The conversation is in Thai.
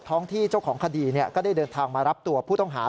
ท้องที่เจ้าของคดีก็ได้เดินทางมารับตัวผู้ต้องหา